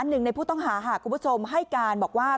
หนึ่งในผู้ต้องหาค่ะคุณผู้ชมให้การบอกว่า